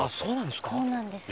そうなんですか？